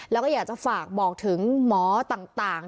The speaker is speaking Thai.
แล้วก็อยากจะฝากบอกถึงหมอต่าง